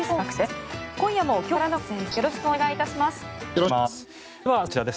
よろしくお願いします。